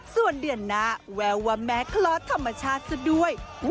ส่วนเดือนหน้าแววว่าแม้คลอดธรรมชาติซะด้วย